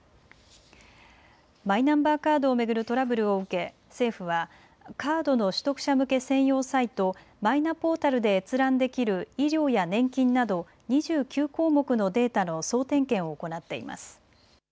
マイナンバーカードを巡るトラブルを受け政府はカードの取得者向け専用サイト、マイナポータルで閲覧できる医療や年金など２９項目のデータの総点検を行っています。